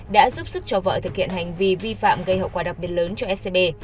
đã giúp sức cho vợ thực hiện hành vi vi phạm gây hậu quả đặc biệt lớn cho scb